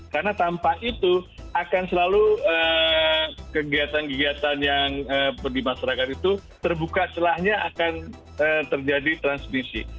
karena tanpa itu akan selalu kegiatan kegiatan yang di masyarakat itu terbuka celahnya akan terjadi transmisi